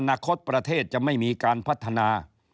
นาคตประเทศจะไม่มีการพัฒนา